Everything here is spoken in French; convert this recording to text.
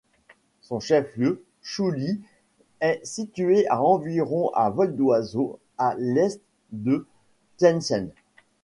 Son chef-lieu, Chouly, est situé à environ à vol d'oiseau à l'est de Tlemcen.